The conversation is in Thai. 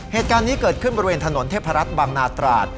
เหตุการณ์นี้เกิดขึ้นบริเวณถนนเทพรัฐบางนาตราด